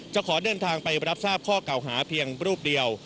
ขอเดินทางไปรับทราบข้อเก่าหาเพียงรูปเดียว